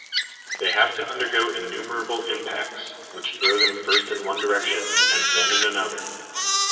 They have to undergo innumerable impacts, which throw them first in one direction and then in another.